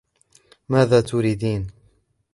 ماذا تريدين ؟